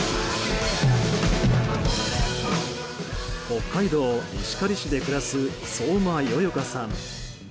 北海道石狩市で暮らす相馬よよかさん。